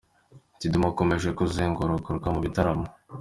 Kidumu akomeje kuzenguruka mu bitaramo